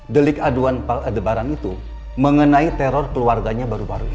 delik aduan debaran itu mengenai teror keluarganya baru baru ini